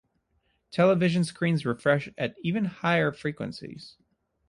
Television screens refresh at even higher frequencies.